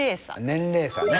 年齢差ね。